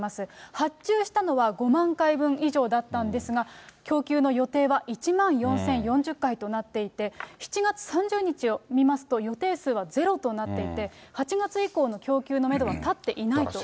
発注したのは５万回分以上だったんですが、供給の予定は１万４０４０回となっていて、７月３０日を見ますと、予定数はゼロとなっていて、８月以降も供給のメドは立っていないと。